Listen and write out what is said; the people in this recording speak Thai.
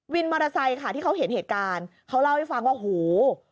มอเตอร์ไซค์ค่ะที่เขาเห็นเหตุการณ์เขาเล่าให้ฟังว่าหู